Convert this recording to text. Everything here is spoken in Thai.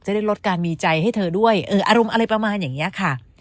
ได้ลดการมีใจให้เธอด้วยอารมณ์อะไรประมาณอย่างนี้ค่ะ